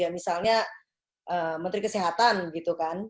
misalnya menteri kesehatan gitu kan